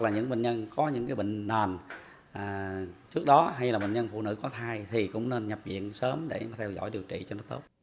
những bệnh nhân có những bệnh nàm trước đó hay là bệnh nhân phụ nữ có thai thì cũng nên nhập viện sớm để theo dõi điều trị cho nó tốt